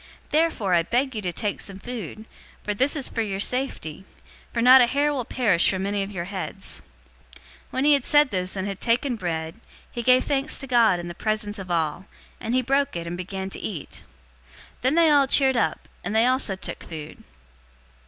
027:034 Therefore I beg you to take some food, for this is for your safety; for not a hair will perish from any of your heads." 027:035 When he had said this, and had taken bread, he gave thanks to God in the presence of all, and he broke it, and began to eat. 027:036 Then they all cheered up, and they also took food.